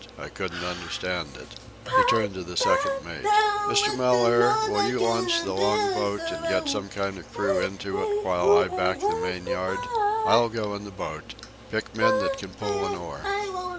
I couldn't understand it." He turned to the second mate. "Mr. Mellaire, will you launch the long boat and get some kind of a crew into it while I back the main yard? I'll go in the boat. Pick men that can pull an oar."